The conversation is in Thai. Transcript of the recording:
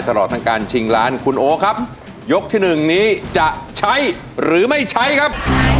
ตลอดทั้งการชิงล้านคุณโอครับยกที่หนึ่งนี้จะใช้หรือไม่ใช้ครับ